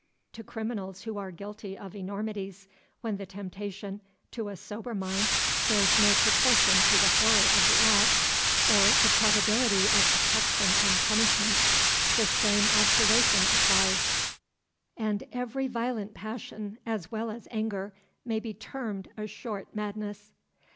To criminals who are guilty of enormities, when the temptation, to a sober mind, bears no proportion to the horror of the act, or the probability of detection and punishment, the same observation applies; and every violent passion, as well as anger, may be termed a short madness."